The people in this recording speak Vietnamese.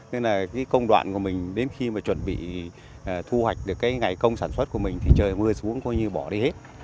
nên là cái công đoạn của mình đến khi mà chuẩn bị thu hoạch được cái ngày công sản xuất của mình thì trời mưa xuống coi như bỏ đi hết